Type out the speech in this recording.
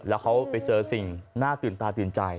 แล้วเขาไปเจอสิ่งน่าตื่นตาตื่นใจ